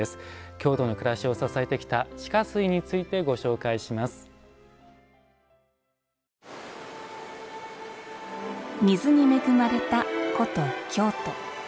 京都の暮らしを支えてきた地下水について水に恵まれた古都、京都。